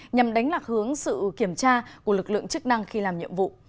nhằm đánh lạc hướng sự kiểm tra của lực lượng chức năng khi làm nhiệm vụ